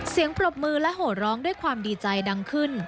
ปรบมือและโหดร้องด้วยความดีใจดังขึ้น